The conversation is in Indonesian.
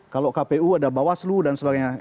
kalau kpu ada bawaslu dan sebagainya